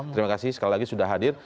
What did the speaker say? terima kasih sekali lagi sudah hadir